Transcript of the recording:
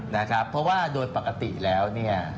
นะครับเพราะว่าโดยปกติแล้วเนี่ย